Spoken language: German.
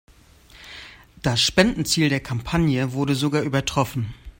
Das Spendenziel der Kampagne wurde sogar übertroffen.